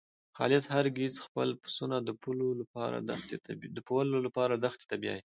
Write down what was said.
خالد هر ګیځ خپل پسونه د پوولو لپاره دښتی ته بیایی.